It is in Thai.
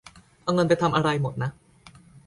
เอาเงินไปทำอะไรหมดนะ